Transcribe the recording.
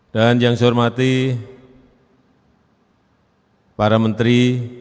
dan yang saya hormati para menteri